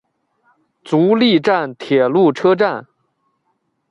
足利站铁路车站。